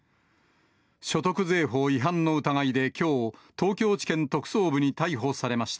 所得税法違反の疑いできょう、東京地検特捜部に逮捕されました。